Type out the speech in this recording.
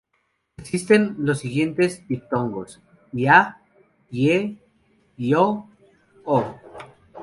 Existen los siguientes diptongos: "ia", "ie", "iu", "ô".